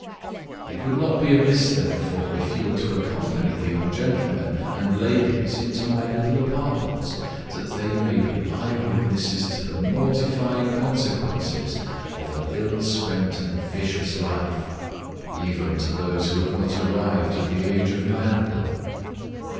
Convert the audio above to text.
It would not be amiss therefore, if you were to accompany the young gentlemen and ladies into my little appartments, that they may be eye witnesses to the mortifying consequences of an ill spent and vicious life, even to those who have not arrived at the age of manhood."